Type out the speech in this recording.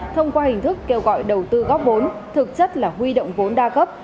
thông qua hình thức kêu gọi đầu tư góp vốn thực chất là huy động vốn đa cấp